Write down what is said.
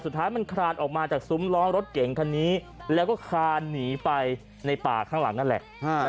สุดท้ายมันคลานออกมาจากซุ้มล้อมรถเก่งคันนี้แล้วก็คลานหนีไปในป่าข้างหลังนั่นแหละ